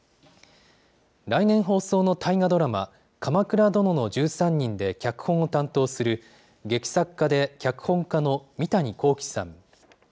来年放送の大河ドラマ、鎌倉殿の１３人で脚本を担当する劇作家で脚本家の三谷幸喜さん。